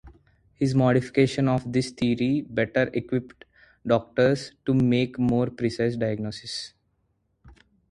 His modification of this theory better equipped doctors to make more precise diagnoses.